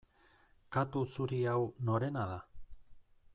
Katu zuri hau norena da?